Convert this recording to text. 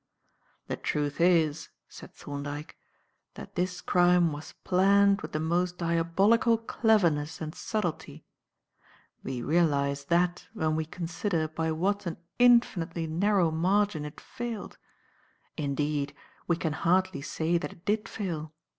"The truth is," said Thorndyke, "that this crime was planned with the most diabolical cleverness and subtlety. We realize that when we consider by what an infinitely narrow margin it failed. Indeed, we can hardly say that it did fail.